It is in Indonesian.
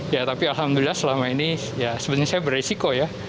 ya tapi alhamdulillah selama ini ya sebenarnya saya beresiko ya